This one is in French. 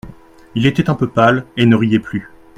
Il était un peu pâle et ne riait plus.